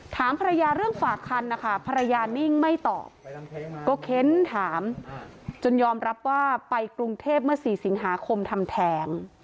ถามภรรยาเรื่องฝากคันนะคะภรรยานิ่งไม่ตอบก็เค้นถามจนยอมรับว่าไปกรุงเทพเมื่อ๔สิงหาคมทำแท้ง